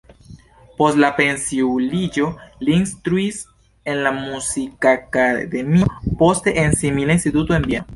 Post la pensiuliĝo li instruis en la Muzikakademio, poste en simila instituto en Vieno.